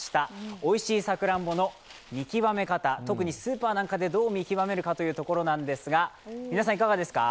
おいしいさくらんぼの見極め方、特にスーパーなんかでどう見極めるかというところなんですが、皆さん、いかがですか。